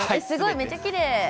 すごい、めちゃきれい。